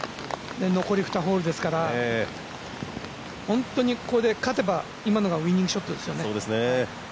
残り２ホールですからこれで本当に勝てば今のがウイニングショットですね。